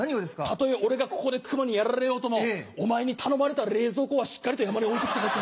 たとえ俺がここで熊にやられようともお前に頼まれた冷蔵庫はしっかりと山に置いて来たぞと。